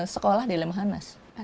sekolah di lemhanas